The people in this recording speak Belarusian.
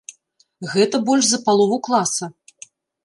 Гэта больш за палову класа.